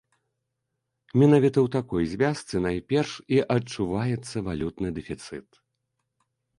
Менавіта ў такой звязцы найперш і адчуваецца валютны дэфіцыт.